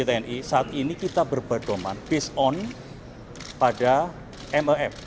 alusista yang dimiliki tni saat ini kita berbedoman based on pada mef